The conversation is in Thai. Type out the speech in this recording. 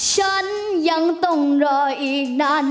ฉันยังต้องรออีกนาน